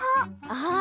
ああ。